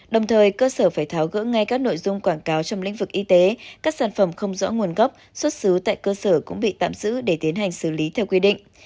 đồng thời cơ sở phải tháo gỡ ngay các nội dung quảng cáo trong lĩnh vực y tế các sản phẩm không rõ nguồn gốc xuất xứ tại cơ sở cũng bị tạm giữ để tiến hành xử lý theo quy định